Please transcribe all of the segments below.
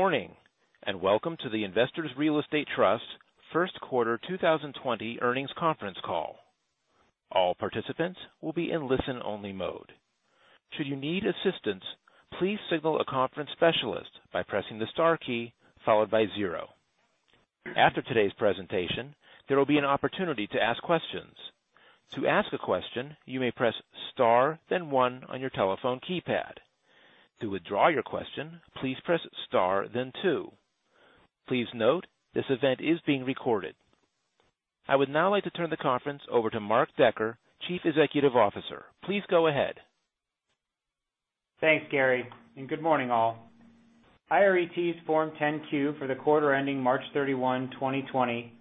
Good morning, and welcome to the Investors Real Estate Trust first quarter 2020 earnings conference call. All participants will be in listen-only mode. Should you need assistance, please signal a conference specialist by pressing the star key followed by 0. After today's presentation, there will be an opportunity to ask questions. To ask a question, you may press star then 1 on your telephone keypad. To withdraw your question, please press star then 2. Please note, this event is being recorded. I would now like to turn the conference over to Mark Decker, Chief Executive Officer. Please go ahead. Thanks, Gary, and good morning, all. IRET's Form 10-Q for the quarter ending March 31, 2020,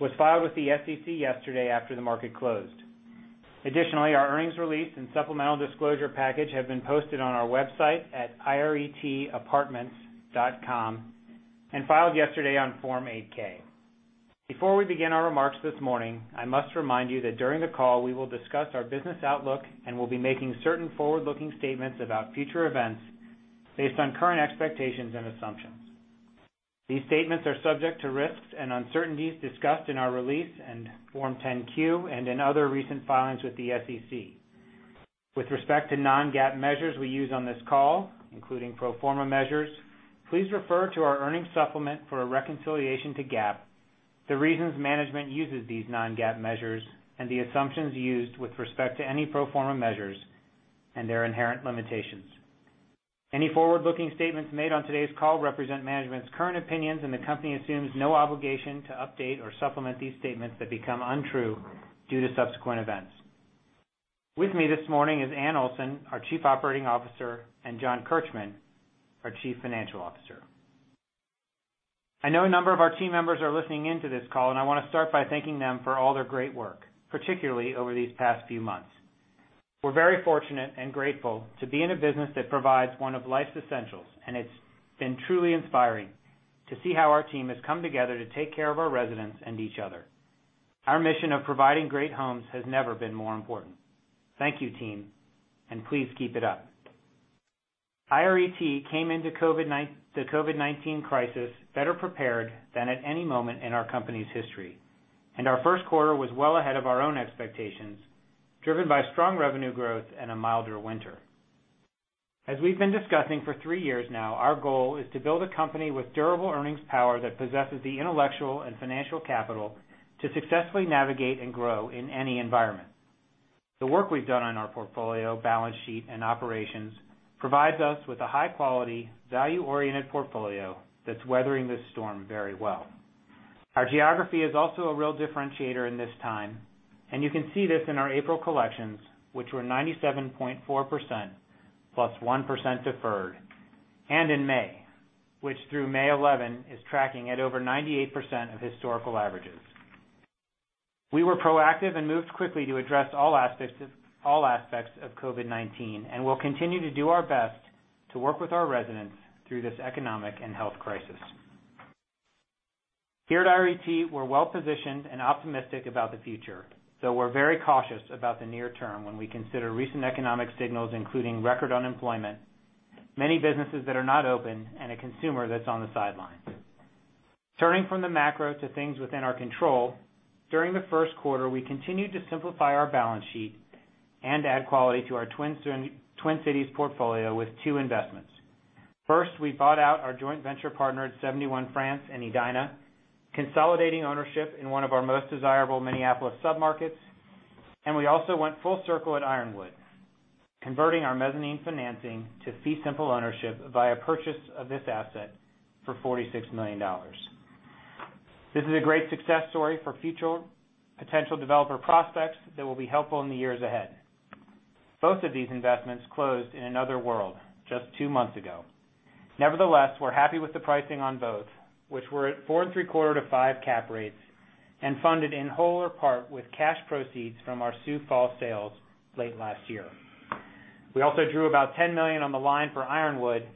was filed with the SEC yesterday after the market closed. Additionally, our earnings release and supplemental disclosure package have been posted on our website at iretapartments.com and filed yesterday on Form 8-K. Before we begin our remarks this morning, I must remind you that during the call, we will discuss our business outlook and will be making certain forward-looking statements about future events based on current expectations and assumptions. These statements are subject to risks and uncertainties discussed in our release and Form 10-Q and in other recent filings with the SEC. With respect to non-GAAP measures we use on this call, including pro forma measures, please refer to our earnings supplement for a reconciliation to GAAP, the reasons management uses these non-GAAP measures, and the assumptions used with respect to any pro forma measures and their inherent limitations. Any forward-looking statements made on today's call represent management's current opinions, and the company assumes no obligation to update or supplement these statements that become untrue due to subsequent events. With me this morning is Anne Olson, our Chief Operating Officer, and John Kirchmann, our Chief Financial Officer. I know a number of our team members are listening in to this call, and I want to start by thanking them for all their great work, particularly over these past few months. We're very fortunate and grateful to be in a business that provides one of life's essentials, and it's been truly inspiring to see how our team has come together to take care of our residents and each other. Our mission of providing great homes has never been more important. Thank you, team, and please keep it up. IRET came into the COVID-19 crisis better prepared than at any moment in our company's history, and our first quarter was well ahead of our own expectations, driven by strong revenue growth and a milder winter. As we've been discussing for three years now, our goal is to build a company with durable earnings power that possesses the intellectual and financial capital to successfully navigate and grow in any environment. The work we've done on our portfolio, balance sheet, and operations provides us with a high-quality, value-oriented portfolio that's weathering this storm very well. Our geography is also a real differentiator in this time, and you can see this in our April collections, which were 97.4%, plus 1% deferred, and in May, which through May 11, is tracking at over 98% of historical averages. We were proactive and moved quickly to address all aspects of COVID-19, and we'll continue to do our best to work with our residents through this economic and health crisis. Here at IRET, we're well-positioned and optimistic about the future, though we're very cautious about the near term when we consider recent economic signals, including record unemployment, many businesses that are not open, and a consumer that's on the sidelines. Turning from the macro to things within our control, during the first quarter, we continued to simplify our balance sheet and add quality to our Twin Cities portfolio with two investments. First, we bought out our joint venture partner at 71 France in Edina, consolidating ownership in one of our most desirable Minneapolis submarkets, and we also went full circle at Ironwood, converting our mezzanine financing to fee simple ownership via purchase of this asset for $46 million. This is a great success story for future potential developer prospects that will be helpful in the years ahead. Both of these investments closed in another world just two months ago. Nevertheless, we're happy with the pricing on both, which were at four and three-quarter to five cap rates and funded in whole or part with cash proceeds from our Sioux Falls sales late last year. We also drew about $10 million on the line for Ironwood,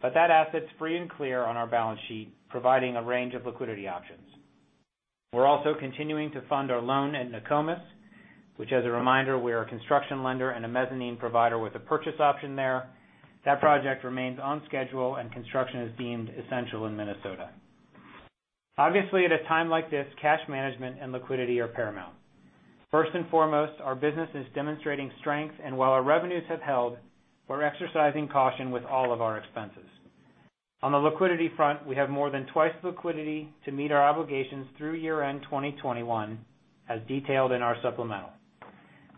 but that asset's free and clear on our balance sheet, providing a range of liquidity options. We're also continuing to fund our loan in Nokomis, which as a reminder, we are a construction lender and a mezzanine provider with a purchase option there. That project remains on schedule and construction is deemed essential in Minnesota. Obviously, at a time like this, cash management and liquidity are paramount. First and foremost, our business is demonstrating strength, and while our revenues have held, we're exercising caution with all of our expenses. On the liquidity front, we have more than twice the liquidity to meet our obligations through year-end 2021, as detailed in our supplemental.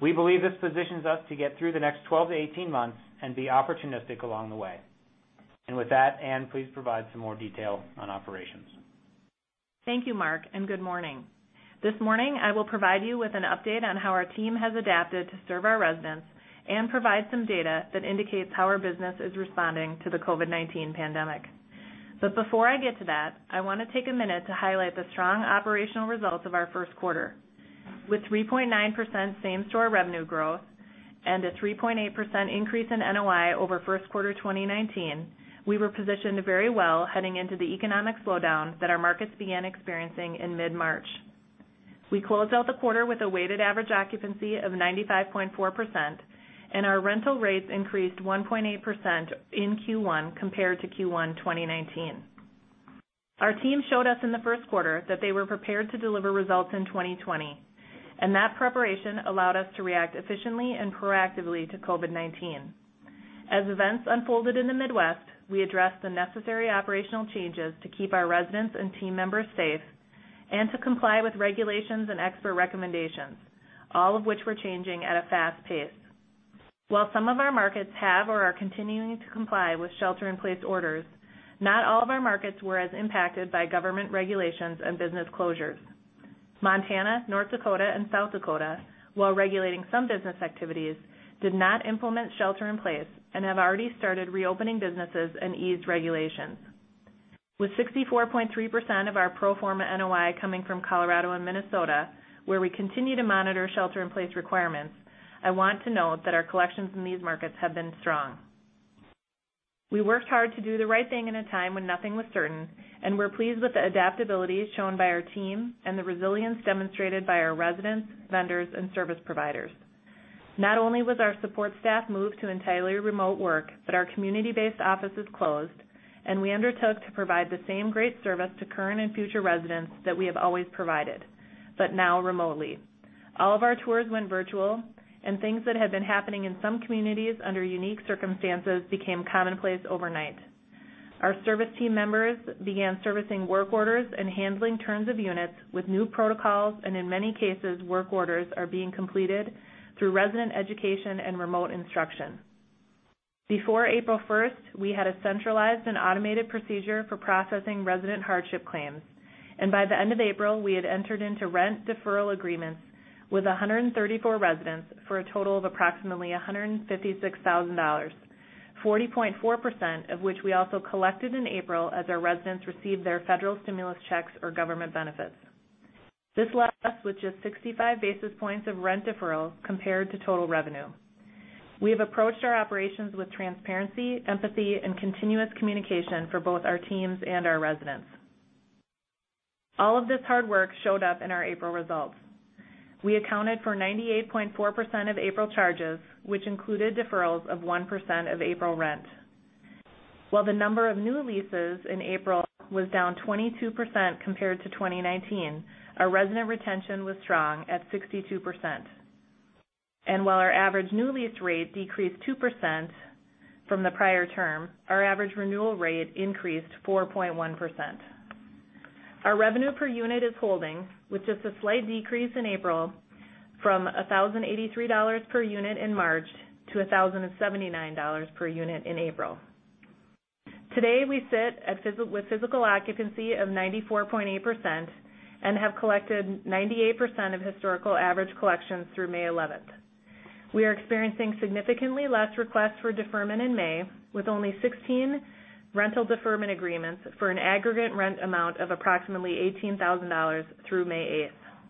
We believe this positions us to get through the next 12 to 18 months and be opportunistic along the way. With that, Anne, please provide some more detail on operations. Thank you, Mark, and good morning. This morning, I will provide you with an update on how our team has adapted to serve our residents and provide some data that indicates how our business is responding to the COVID-19 pandemic. Before I get to that, I want to take a minute to highlight the strong operational results of our first quarter. With 3.9% same-store revenue growth and a 3.8% increase in NOI over first quarter 2019, we were positioned very well heading into the economic slowdown that our markets began experiencing in mid-March. We closed out the quarter with a weighted average occupancy of 95.4%, and our rental rates increased 1.8% in Q1 compared to Q1 2019. Our team showed us in the first quarter that they were prepared to deliver results in 2020, and that preparation allowed us to react efficiently and proactively to COVID-19. As events unfolded in the Midwest, we addressed the necessary operational changes to keep our residents and team members safe and to comply with regulations and expert recommendations, all of which were changing at a fast pace. While some of our markets have or are continuing to comply with shelter-in-place orders, not all of our markets were as impacted by government regulations and business closures. Montana, North Dakota, and South Dakota, while regulating some business activities, did not implement shelter in place and have already started reopening businesses and eased regulations. With 64.3% of our pro forma NOI coming from Colorado and Minnesota, where we continue to monitor shelter-in-place requirements, I want to note that our collections in these markets have been strong. We worked hard to do the right thing in a time when nothing was certain, and we're pleased with the adaptability shown by our team and the resilience demonstrated by our residents, vendors, and service providers. Not only was our support staff moved to entirely remote work, but our community-based offices closed, and we undertook to provide the same great service to current and future residents that we have always provided, but now remotely. All of our tours went virtual, and things that had been happening in some communities under unique circumstances became commonplace overnight. Our service team members began servicing work orders and handling turns of units with new protocols, and in many cases, work orders are being completed through resident education and remote instruction. Before April 1st, we had a centralized and automated procedure for processing resident hardship claims, and by the end of April, we had entered into rent deferral agreements with 134 residents for a total of approximately $156,000, 40.4% of which we also collected in April as our residents received their federal stimulus checks or government benefits. This left us with just 65 basis points of rent deferral compared to total revenue. We have approached our operations with transparency, empathy, and continuous communication for both our teams and our residents. All of this hard work showed up in our April results. We accounted for 98.4% of April charges, which included deferrals of 1% of April rent. While the number of new leases in April was down 22% compared to 2019, our resident retention was strong at 62%. While our average new lease rate decreased 2% from the prior term, our average renewal rate increased 4.1%. Our revenue per unit is holding with just a slight decrease in April from $1,083 per unit in March to $1,079 per unit in April. Today, we sit with physical occupancy of 94.8% and have collected 98% of historical average collections through May 11th. We are experiencing significantly less requests for deferment in May with only 16 rental deferment agreements for an aggregate rent amount of approximately $18,000 through May 8th.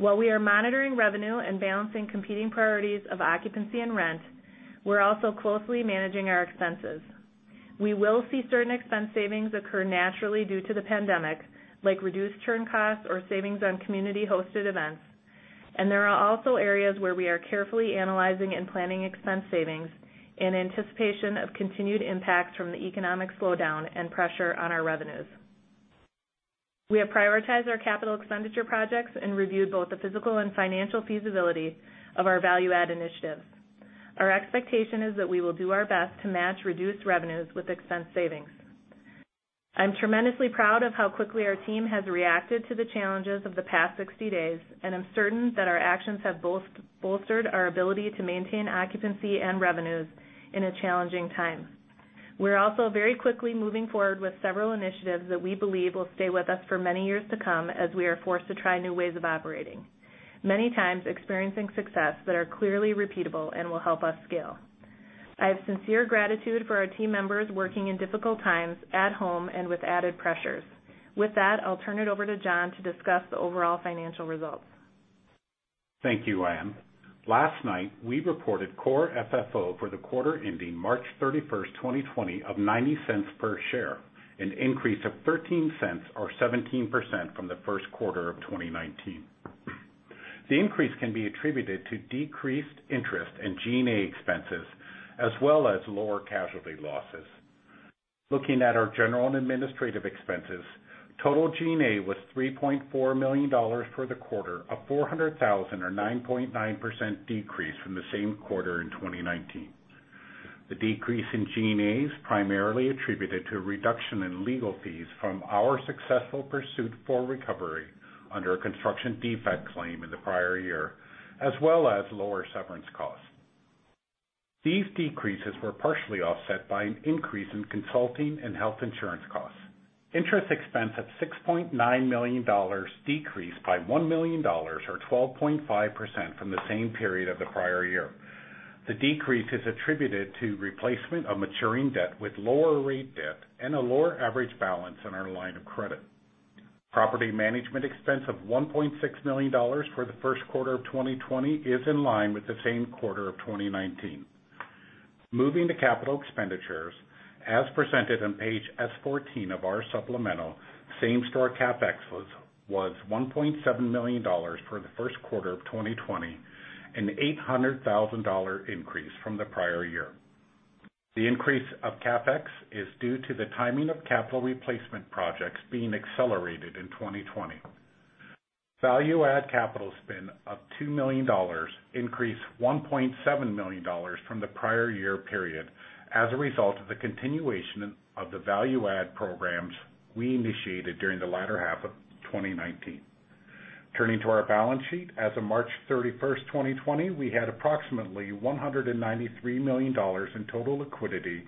While we are monitoring revenue and balancing competing priorities of occupancy and rent, we're also closely managing our expenses. We will see certain expense savings occur naturally due to the pandemic, like reduced churn costs or savings on community-hosted events. There are also areas where we are carefully analyzing and planning expense savings in anticipation of continued impacts from the economic slowdown and pressure on our revenues. We have prioritized our capital expenditure projects and reviewed both the physical and financial feasibility of our value add initiatives. Our expectation is that we will do our best to match reduced revenues with expense savings. I'm tremendously proud of how quickly our team has reacted to the challenges of the past 60 days. I'm certain that our actions have bolstered our ability to maintain occupancy and revenues in a challenging time. We're also very quickly moving forward with several initiatives that we believe will stay with us for many years to come as we are forced to try new ways of operating, many times experiencing success that are clearly repeatable and will help us scale. I have sincere gratitude for our team members working in difficult times at home and with added pressures. With that, I'll turn it over to John to discuss the overall financial results. Thank you, Anne. Last night, we reported core FFO for the quarter ending March 31st, 2020, of $0.90 per share, an increase of $0.13 or 17% from the first quarter of 2019. The increase can be attributed to decreased interest and G&A expenses, as well as lower casualty losses. Looking at our general and administrative expenses, total G&A was $3.4 million for the quarter, a $400,000 or 9.9% decrease from the same quarter in 2019. The decrease in G&A is primarily attributed to a reduction in legal fees from our successful pursuit for recovery under a construction defect claim in the prior year, as well as lower severance costs. These decreases were partially offset by an increase in consulting and health insurance costs. Interest expense of $6.9 million decreased by $1 million, or 12.5%, from the same period of the prior year. The decrease is attributed to replacement of maturing debt with lower rate debt and a lower average balance on our line of credit. Property management expense of $1.6 million for the first quarter of 2020 is in line with the same quarter of 2019. Moving to capital expenditures as presented on page S14 of our supplemental, same-store CapEx was $1.7 million for the first quarter of 2020, an $800,000 increase from the prior year. The increase of CapEx is due to the timing of capital replacement projects being accelerated in 2020. Value-add capital spend of $2 million increased $1.7 million from the prior year period as a result of the continuation of the value-add programs we initiated during the latter half of 2019. Turning to our balance sheet, as of March 31st, 2020, we had approximately $193 million in total liquidity,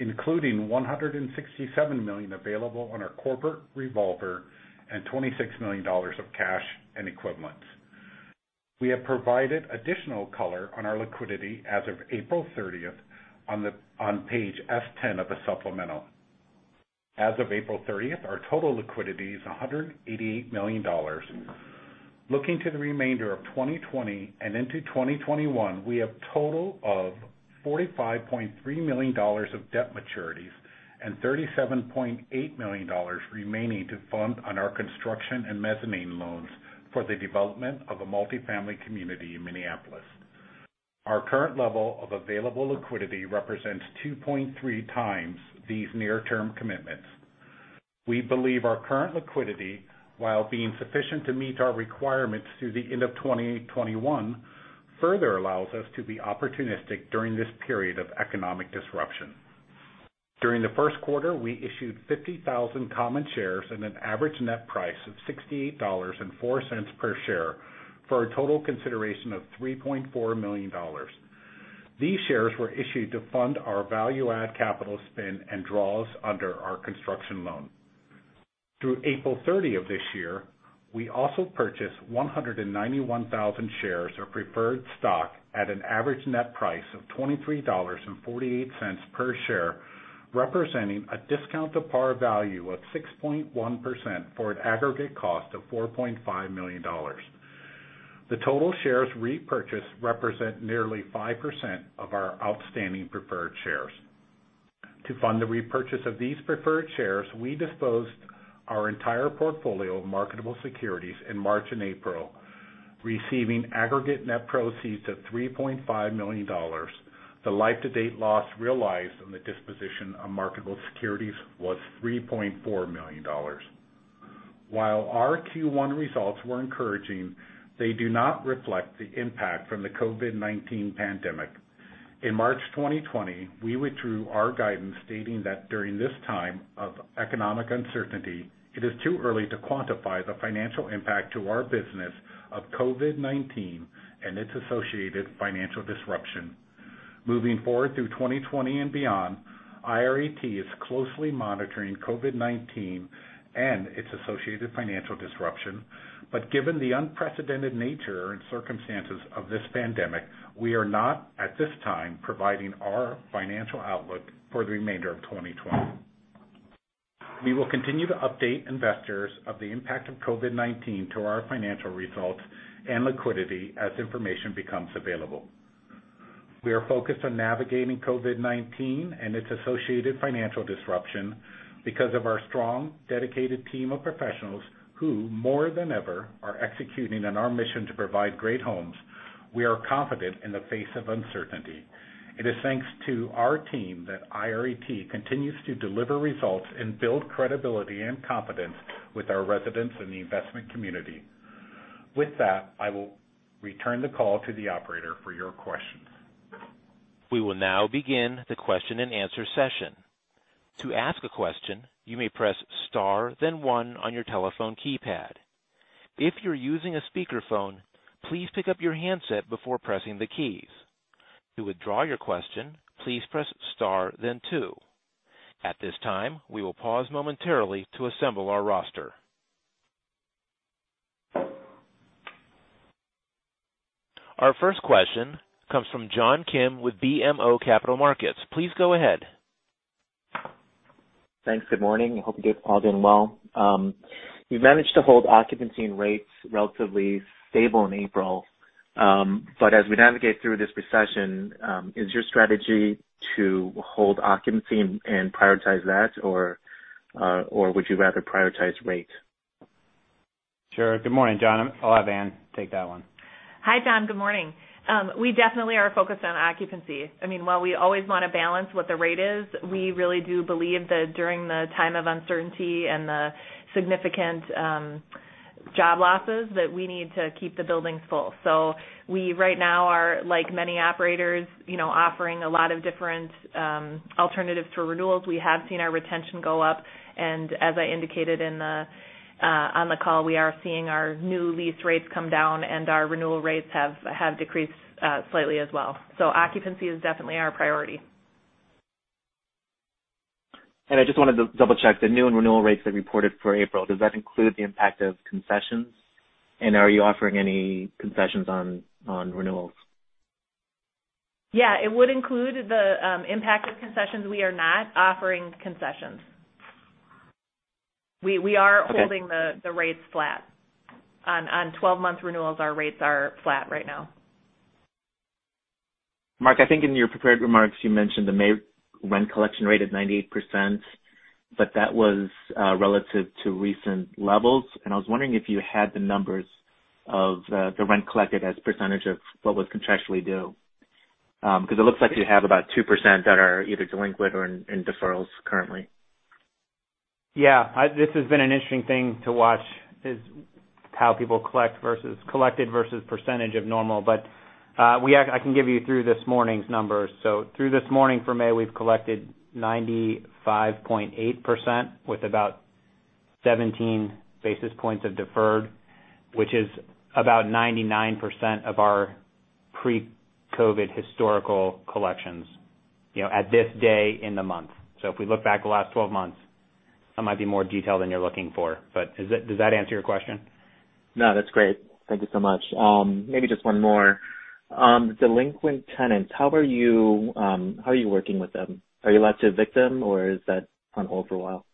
including $167 million available on our corporate revolver and $26 million of cash and equivalents. We have provided additional color on our liquidity as of April 30th on page S10 of the supplemental. As of April 30th, our total liquidity is $188 million. Looking to the remainder of 2020 and into 2021, we have a total of $45.3 million of debt maturities and $37.8 million remaining to fund on our construction and mezzanine loans for the development of a multifamily community in Minneapolis. Our current level of available liquidity represents 2.3 times these near-term commitments. We believe our current liquidity, while being sufficient to meet our requirements through the end of 2021, further allows us to be opportunistic during this period of economic disruption. During the first quarter, we issued 50,000 common shares at an average net price of $68.04 per share for a total consideration of $3.4 million. These shares were issued to fund our value-add capital spend and draws under our construction loan. Through April 30 of this year, we also purchased 191,000 shares of preferred stock at an average net price of $23.48 per share, representing a discount to par value of 6.1% for an aggregate cost of $4.5 million. The total shares repurchased represent nearly 5% of our outstanding preferred shares. To fund the repurchase of these preferred shares, we disposed our entire portfolio of marketable securities in March and April, receiving aggregate net proceeds of $3.5 million. The life-to-date loss realized on the disposition of marketable securities was $3.4 million. While our Q1 results were encouraging, they do not reflect the impact from the COVID-19 pandemic. In March 2020, we withdrew our guidance stating that during this time of economic uncertainty, it is too early to quantify the financial impact to our business of COVID-19 and its associated financial disruption. Moving forward through 2020 and beyond, IRET is closely monitoring COVID-19 and its associated financial disruption, but given the unprecedented nature and circumstances of this pandemic, we are not, at this time, providing our financial outlook for the remainder of 2020. We will continue to update investors of the impact of COVID-19 to our financial results and liquidity as information becomes available. We are focused on navigating COVID-19 and its associated financial disruption. Because of our strong, dedicated team of professionals who, more than ever, are executing on our mission to provide great homes, we are confident in the face of uncertainty. It is thanks to our team that IRET continues to deliver results and build credibility and confidence with our residents and the investment community. With that, I will return the call to the operator for your questions. We will now begin the question and answer session. To ask a question, you may press star then one on your telephone keypad. If you're using a speakerphone, please pick up your handset before pressing the keys. To withdraw your question, please press star then two. At this time, we will pause momentarily to assemble our roster. Our first question comes from John Kim with BMO Capital Markets. Please go ahead. Thanks. Good morning. I hope you all doing well. You managed to hold occupancy and rates relatively stable in April. As we navigate through this recession, is your strategy to hold occupancy and prioritize that, or would you rather prioritize rate? Sure. Good morning, John. I'll have Anne take that one. Hi, John. Good morning. We definitely are focused on occupancy. While we always want to balance what the rate is, we really do believe that during the time of uncertainty and the significant job losses, that we need to keep the buildings full. We right now are like many operators, offering a lot of different alternatives for renewals. We have seen our retention go up, and as I indicated on the call, we are seeing our new lease rates come down, and our renewal rates have decreased slightly as well. Occupancy is definitely our priority. I just wanted to double-check the new and renewal rates that you reported for April, does that include the impact of concessions? Are you offering any concessions on renewals? Yeah. It would include the impact of concessions. We are not offering concessions. We are holding the rates flat. On 12-month renewals, our rates are flat right now. Mark, I think in your prepared remarks, you mentioned the May rent collection rate is 98%, but that was relative to recent levels. I was wondering if you had the numbers of the rent collected as a percentage of what was contractually due. It looks like you have about 2% that are either delinquent or in deferrals currently. Yeah. This has been an interesting thing to watch, is how people collect versus collected versus percentage of normal. I can give you through this morning's numbers. Through this morning for May, we've collected 95.8% with about 17 basis points of deferred, which is about 99% of our pre-COVID historical collections at this day in the month. If we look back the last 12 months, that might be more detail than you're looking for, but does that answer your question? No, that's great. Thank you so much. Maybe just one more. Delinquent tenants, how are you working with them? Are you allowed to evict them or is that on hold for a while?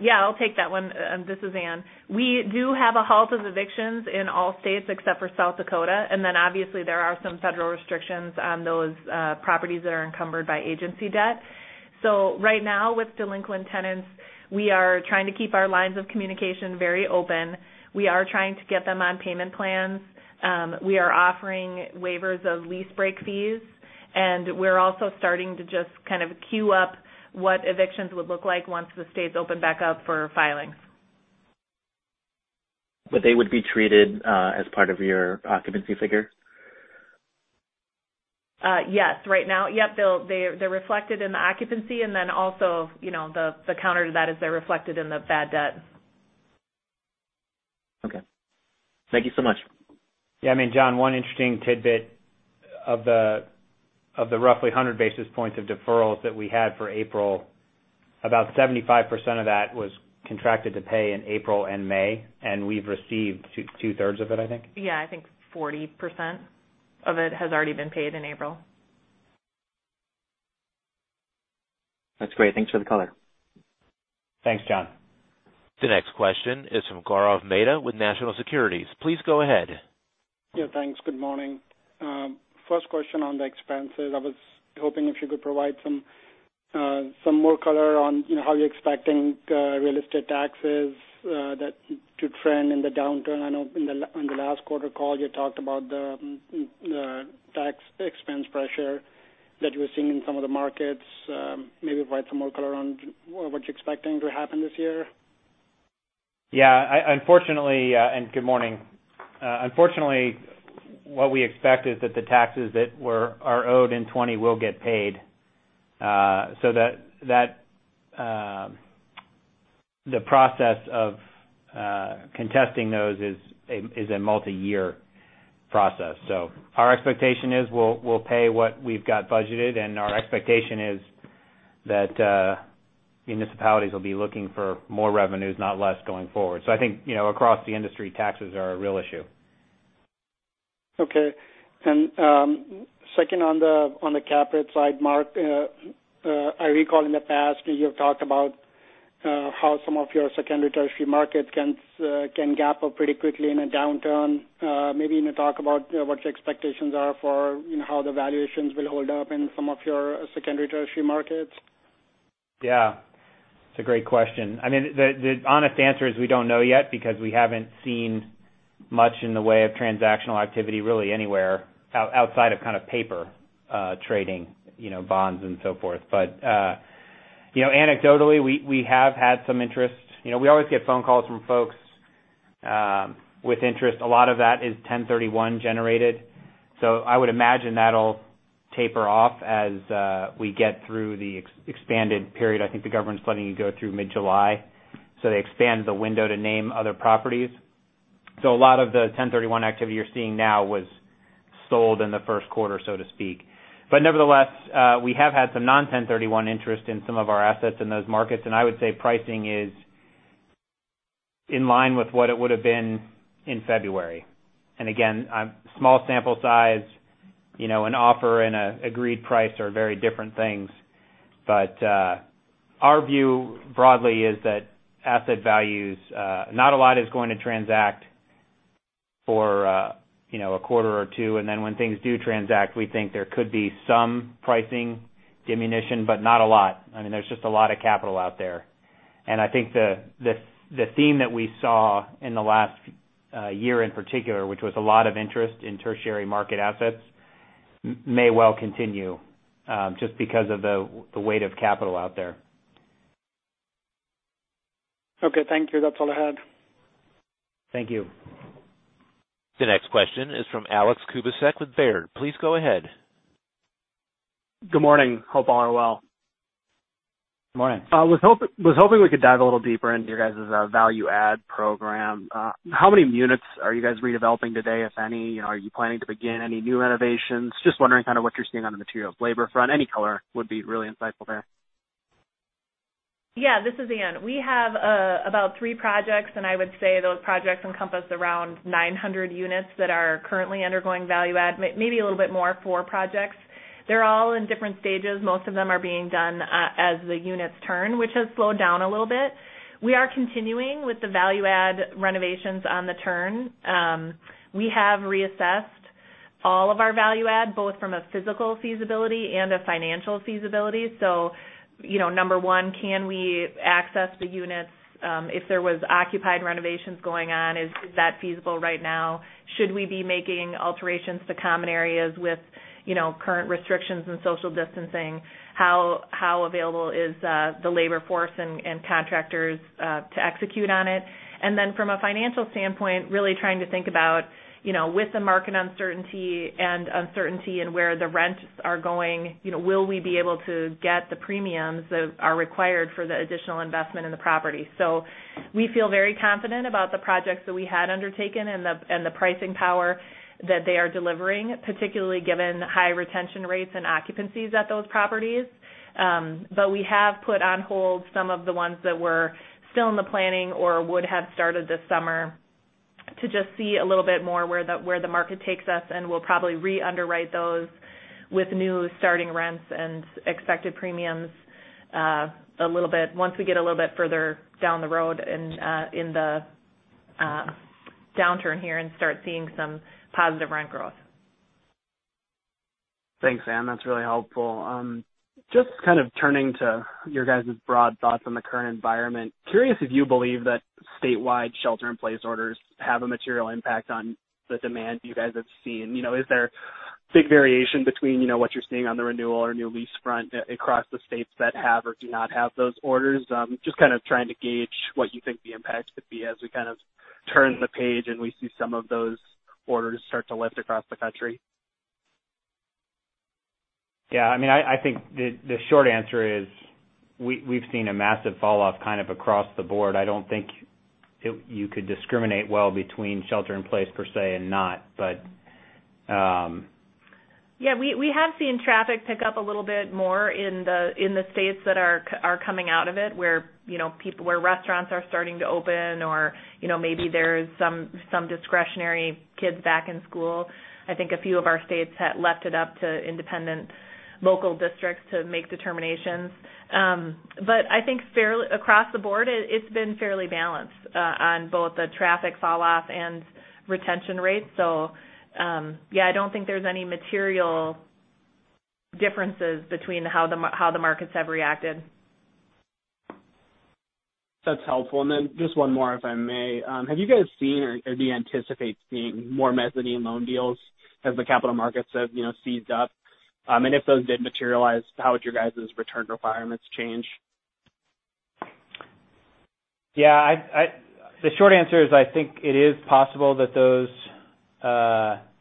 Yeah, I'll take that one. This is Anne. We do have a halt of evictions in all states except for South Dakota, and then obviously there are some federal restrictions on those properties that are encumbered by agency debt. Right now, with delinquent tenants, we are trying to keep our lines of communication very open. We are trying to get them on payment plans. We are offering waivers of lease break fees, and we're also starting to just kind of queue up what evictions would look like once the states open back up for filings. They would be treated as part of your occupancy figure? Yes. Right now, yep, they're reflected in the occupancy, and also the counter to that is they're reflected in the bad debt. Okay. Thank you so much. Yeah, I mean, John, one interesting tidbit of the roughly 100 basis points of deferrals that we had for April, about 75% of that was contracted to pay in April and May. We've received two-thirds of it, I think. Yeah, I think 40% of it has already been paid in April. That's great. Thanks for the color. Thanks, John. The next question is from Gaurav Mehta with National Securities. Please go ahead. Yeah, thanks. Good morning. First question on the expenses. I was hoping if you could provide some more color on how you're expecting real estate taxes to trend in the downturn. I know in the last quarter call, you talked about the tax expense pressure that you were seeing in some of the markets. Maybe provide some more color on what you're expecting to happen this year. Yeah. Good morning. Unfortunately, what we expect is that the taxes that are owed in 2020 will get paid. The process of contesting those is a multi-year process. Our expectation is we'll pay what we've got budgeted, and our expectation is that municipalities will be looking for more revenues, not less, going forward. I think across the industry, taxes are a real issue. Okay. Second on the cap rate side, Mark, I recall in the past you have talked about how some of your secondary tertiary markets can gap up pretty quickly in a downturn. Maybe you can talk about what your expectations are for how the valuations will hold up in some of your secondary tertiary markets. Yeah. It's a great question. The honest answer is we don't know yet because we haven't seen much in the way of transactional activity really anywhere outside of paper trading bonds and so forth. Anecdotally, we have had some interest. We always get phone calls from folks with interest. A lot of that is 1031 generated, so I would imagine that'll taper off as we get through the expanded period. I think the government's planning to go through mid-July, so they expanded the window to name other properties. A lot of the 1031 activity you're seeing now was sold in the first quarter, so to speak. Nevertheless, we have had some non-1031 interest in some of our assets in those markets, and I would say pricing is in line with what it would've been in February. Again, small sample size, an offer and agreed price are very different things. Our view broadly is that asset values, not a lot is going to transact for a quarter or two, and then when things do transact, we think there could be some pricing diminution, but not a lot. There's just a lot of capital out there. I think the theme that we saw in the last year in particular, which was a lot of interest in tertiary market assets, may well continue just because of the weight of capital out there. Okay, thank you. That's all I had. Thank you. The next question is from Alex Kubicek with Baird. Please go ahead. Good morning. Hope all are well. Good morning. I was hoping we could dive a little deeper into your guys' value add program. How many units are you guys redeveloping today, if any? Are you planning to begin any new renovations? Just wondering kind of what you're seeing on the material labor front. Any color would be really insightful there. This is Anne. We have about three projects, and I would say those projects encompass around 900 units that are currently undergoing value add. Maybe a little bit more, four projects. They're all in different stages. Most of them are being done as the units turn, which has slowed down a little bit. We are continuing with the value add renovations on the turn. We have reassessed all of our value add, both from a physical feasibility and a financial feasibility. Number 1, can we access the units? If there was occupied renovations going on, is that feasible right now? Should we be making alterations to common areas with current restrictions and social distancing? How available is the labor force and contractors to execute on it? From a financial standpoint, really trying to think about, with the market uncertainty and uncertainty in where the rents are going, will we be able to get the premiums that are required for the additional investment in the property? We feel very confident about the projects that we had undertaken and the pricing power that they are delivering, particularly given high retention rates and occupancies at those properties. We have put on hold some of the ones that were still in the planning or would have started this summer to just see a little bit more where the market takes us, and we'll probably re-underwrite those with new starting rents and expected premiums once we get a little bit further down the road in the downturn here and start seeing some positive rent growth. Thanks, Anne. That's really helpful. Just kind of turning to your guys' broad thoughts on the current environment. Curious if you believe that statewide shelter-in-place orders have a material impact on the demand you guys have seen. Is there big variation between what you're seeing on the renewal or new lease front across the states that have or do not have those orders? Just kind of trying to gauge what you think the impact could be as we kind of turn the page and we see some of those orders start to lift across the country. Yeah, I think the short answer is, we've seen a massive falloff kind of across the board. I don't think you could discriminate well between shelter in place per se and not. Yeah, we have seen traffic pick up a little bit more in the states that are coming out of it, where restaurants are starting to open or maybe there's some discretionary kids back in school. I think a few of our states had left it up to independent local districts to make determinations. I think across the board, it's been fairly balanced on both the traffic falloff and retention rates. Yeah, I don't think there's any material differences between how the markets have reacted. That's helpful. Then just one more, if I may. Have you guys seen or do you anticipate seeing more mezzanine loan deals as the capital markets have seized up? If those did materialize, how would your guys' return requirements change? The short answer is, I think it is possible that those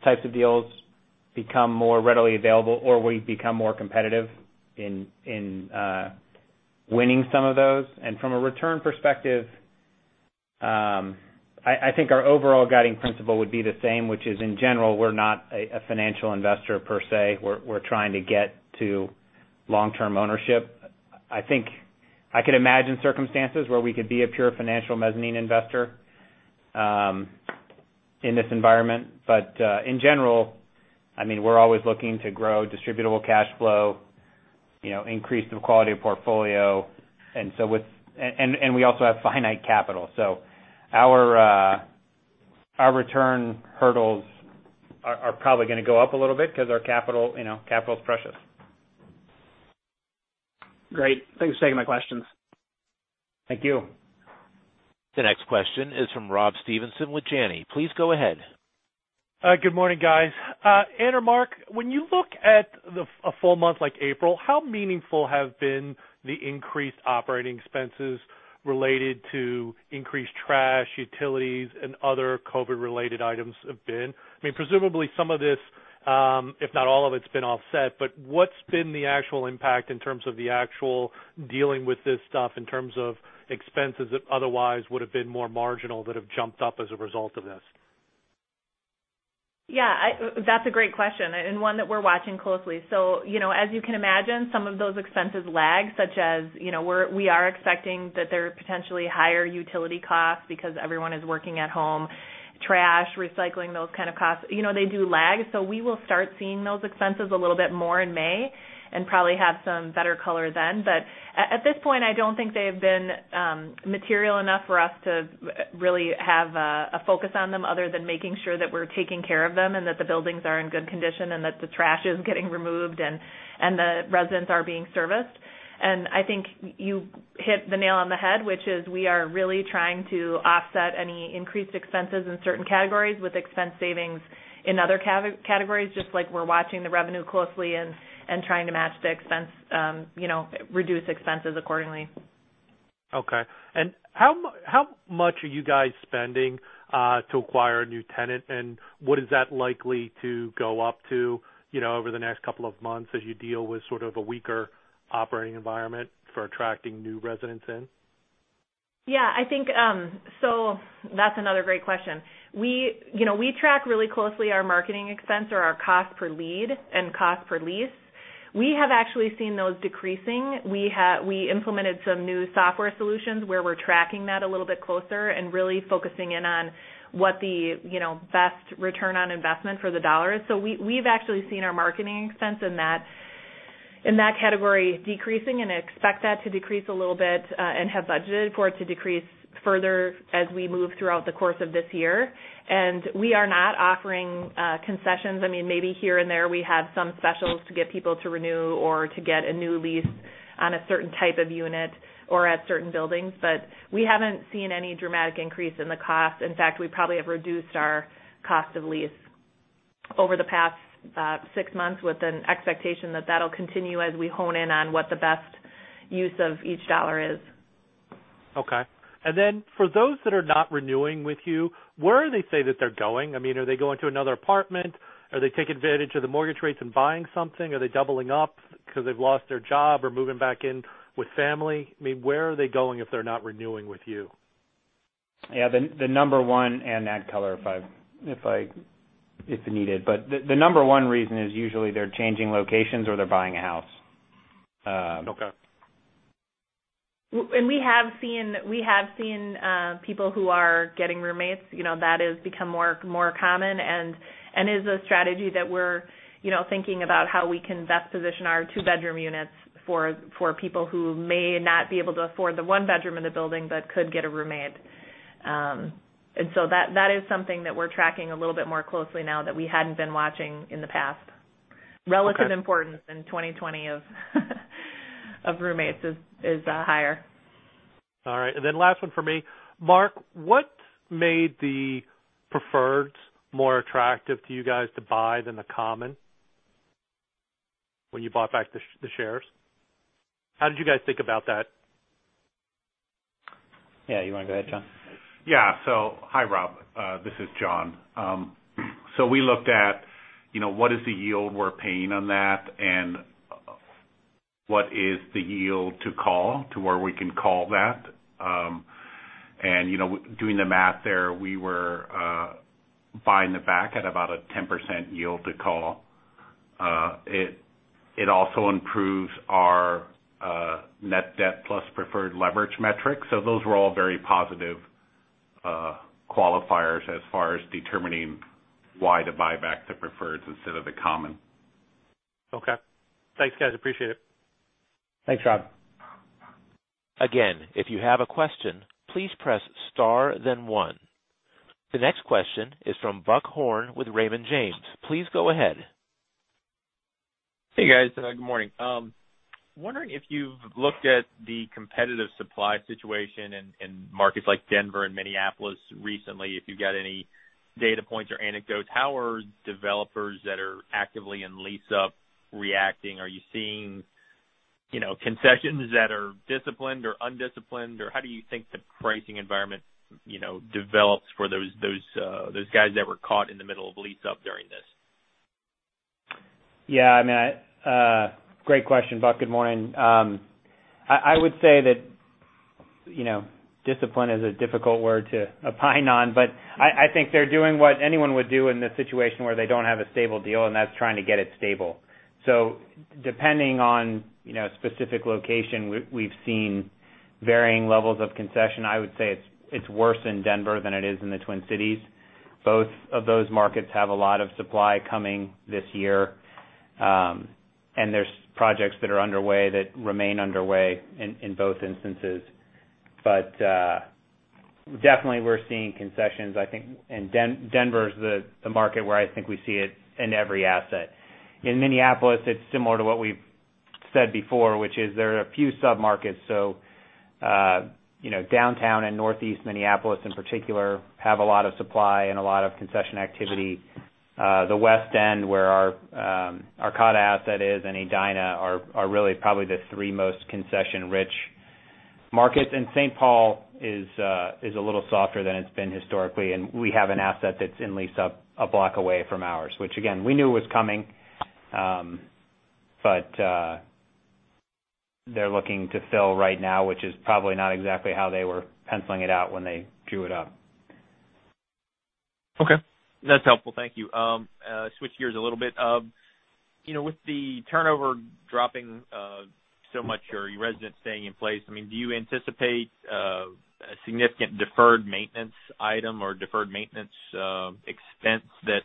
types of deals become more readily available or we become more competitive in winning some of those. From a return perspective, I think our overall guiding principle would be the same, which is in general, we're not a financial investor per se. We're trying to get to long-term ownership. I think I could imagine circumstances where we could be a pure financial mezzanine investor in this environment. In general, we're always looking to grow distributable cash flow, increase the quality of portfolio, and we also have finite capital. Our return hurdles are probably going to go up a little bit because our capital is precious. Great. Thanks for taking my questions. Thank you. The next question is from Rob Stevenson with Janney. Please go ahead. Good morning, guys. Anne or Mark, when you look at a full month like April, how meaningful have been the increased operating expenses related to increased trash, utilities, and other COVID-related items have been? Presumably some of this, if not all of it, has been offset, but what's been the actual impact in terms of the actual dealing with this stuff in terms of expenses that otherwise would've been more marginal, that have jumped up as a result of this? Yeah. That's a great question and one that we're watching closely. As you can imagine, some of those expenses lag such as, we are expecting that there are potentially higher utility costs because everyone is working at home, trash, recycling, those kind of costs. They do lag, so we will start seeing those expenses a little bit more in May, and probably have some better color then. At this point, I don't think they have been material enough for us to really have a focus on them other than making sure that we're taking care of them, and that the buildings are in good condition, and that the trash is getting removed, and the residents are being serviced. I think you hit the nail on the head, which is we are really trying to offset any increased expenses in certain categories with expense savings in other categories. Just like we're watching the revenue closely and trying to match the expense, reduce expenses accordingly. Okay. How much are you guys spending to acquire a new tenant, and what is that likely to go up to over the next couple of months as you deal with sort of a weaker operating environment for attracting new residents in? Yeah. That's another great question. We track really closely our marketing expense or our cost per lead and cost per lease. We have actually seen those decreasing. We implemented some new software solutions where we're tracking that a little bit closer and really focusing in on what the best return on investment for the dollar is. We've actually seen our marketing expense in that category, decreasing, and expect that to decrease a little bit, and have budgeted for it to decrease further as we move throughout the course of this year. We are not offering concessions. Maybe here and there, we have some specials to get people to renew or to get a new lease on a certain type of unit or at certain buildings, but we haven't seen any dramatic increase in the cost. In fact, we probably have reduced our cost of lease over the past six months with an expectation that that'll continue as we hone in on what the best use of each dollar is. Okay. For those that are not renewing with you, where do they say that they're going? Are they going to another apartment? Are they taking advantage of the mortgage rates and buying something? Are they doubling up because they've lost their job or moving back in with family? Where are they going if they're not renewing with you? Yeah. Add color if it's needed. The number one reason is usually they're changing locations, or they're buying a house. Okay. We have seen people who are getting roommates. That has become more common and is a strategy that we're thinking about how we can best position our two-bedroom units for people who may not be able to afford the one bedroom in the building but could get a roommate. That is something that we're tracking a little bit more closely now that we hadn't been watching in the past. Okay. Relative importance in 2020 of roommates is higher. All right. Last one from me. Mark, what made the preferreds more attractive to you guys to buy than the common when you bought back the shares? How did you guys think about that? Yeah. You want to go ahead, John? Hi, Rob. This is John. We looked at what is the yield we're paying on that, and what is the yield to call to where we can call that. Doing the math there, we were buying them back at about a 10% yield to call. It also improves our net debt plus preferred leverage metrics. Those were all very positive qualifiers as far as determining why to buy back the preferreds instead of the common. Okay. Thanks, guys. Appreciate it. Thanks, Rob. Again, if you have a question, please press star then one. The next question is from Buck Horne with Raymond James. Please go ahead. Hey, guys. Good morning. I'm wondering if you've looked at the competitive supply situation in markets like Denver and Minneapolis recently, if you've got any data points or anecdotes. How are developers that are actively in lease-up reacting? Are you seeing concessions that are disciplined or undisciplined, or how do you think the pricing environment develops for those guys that were caught in the middle of a lease-up during this? Yeah. Great question, Buck. Good morning. I would say that discipline is a difficult word to opine on, but I think they're doing what anyone would do in this situation where they don't have a stable deal, and that's trying to get it stable. Depending on specific location, we've seen varying levels of concession. I would say it's worse in Denver than it is in the Twin Cities. Both of those markets have a lot of supply coming this year. There's projects that are underway that remain underway in both instances. Definitely, we're seeing concessions. Denver is the market where I think we see it in every asset. In Minneapolis, it's similar to what we've said before, which is there are a few sub-markets. Downtown and Northeast Minneapolis, in particular, have a lot of supply and a lot of concession activity. The West End, where our Cottonwood asset is, and Edina are really probably the three most concession-rich markets. St. Paul is a little softer than it's been historically, and they have an asset that's in lease-up a block away from ours, which again, we knew it was coming. They're looking to fill right now, which is probably not exactly how they were penciling it out when they drew it up. Okay. That's helpful. Thank you. Switch gears a little bit. With the turnover dropping so much or your residents staying in place, do you anticipate a significant deferred maintenance item or deferred maintenance expense that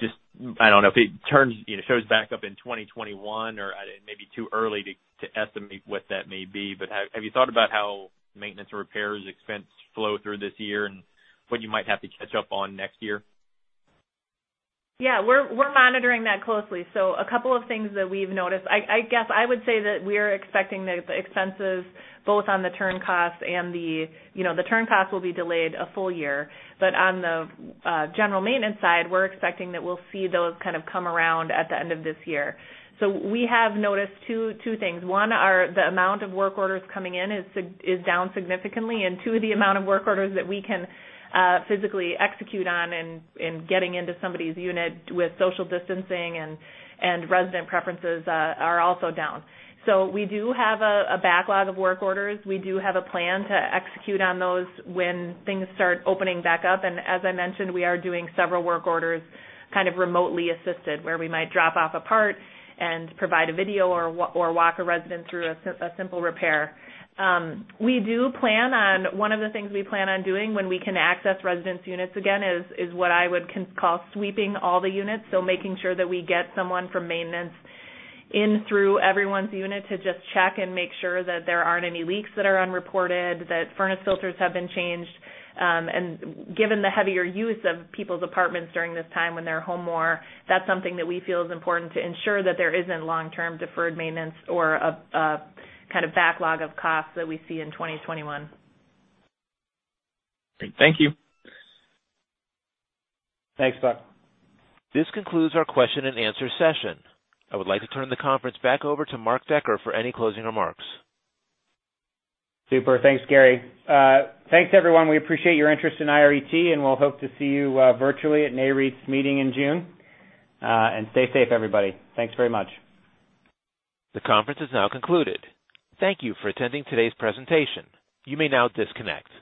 just I don't know. If it shows back up in 2021 or it may be too early to estimate what that may be. Have you thought about how maintenance repairs expense flow through this year and what you might have to catch up on next year? Yeah. We're monitoring that closely. A couple of things that we've noticed. I guess I would say that we're expecting the expenses both on the turn costs, and the turn costs will be delayed a full year, but on the general maintenance side, we're expecting that we'll see those kind of come around at the end of this year. We have noticed two things. One, the amount of work orders coming in is down significantly. Two, the amount of work orders that we can physically execute on and getting into somebody's unit with social distancing and resident preferences are also down. We do have a backlog of work orders. We do have a plan to execute on those when things start opening back up. As I mentioned, we are doing several work orders kind of remotely assisted, where we might drop off a part and provide a video or walk a resident through a simple repair. One of the things we plan on doing when we can access residents' units again is what I would call sweeping all the units. Making sure that we get someone from maintenance in through everyone's unit to just check and make sure that there aren't any leaks that are unreported, that furnace filters have been changed. Given the heavier use of people's apartments during this time when they're home more, that's something that we feel is important to ensure that there isn't long-term deferred maintenance or a kind of backlog of costs that we see in 2021. Great. Thank you. Thanks, Buck. This concludes our question and answer session. I would like to turn the conference back over to Mark Decker for any closing remarks. Super. Thanks, Gary. Thanks, everyone. We appreciate your interest in IRET, we'll hope to see you virtually at Nareit's meeting in June. Stay safe, everybody. Thanks very much. The conference is now concluded. Thank you for attending today's presentation. You may now disconnect.